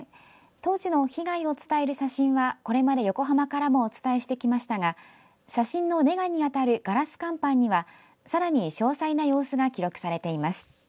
当時の被害を伝える写真はこれまで、横浜からもお伝えしてきましたが写真のネガにあたるガラス乾板にはさらに詳細な様子が記録されています。